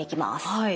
はい。